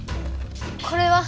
これは。